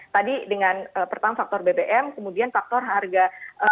tadi dengan pertama faktor bbm kemudian faktor harga bbm nya masih murah biayanya